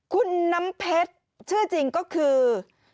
คุณน้ำเพชรชื่อจริงก็คือ